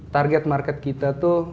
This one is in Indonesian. target market kita tuh